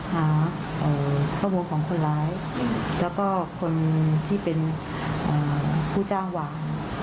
หาเอ่อข้อมูลของคนร้ายแล้วก็คนที่เป็นอ่า